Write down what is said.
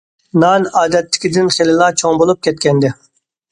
نان ئادەتتىكىدىن خېلىلا چوڭ بولۇپ كەتكەنىدى.